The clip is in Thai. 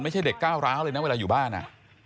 ไม่ใช่เด็กก้าวร้าวเลยนะเวลาอยู่บ้านอ่ะ